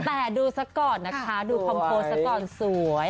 แต่ดูซะก่อนนะคะดูคอมโพสต์ซะก่อนสวย